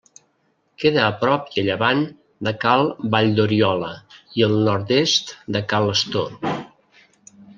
Queda a prop i a llevant de Cal Valldoriola i al nord-est de Ca l'Astor.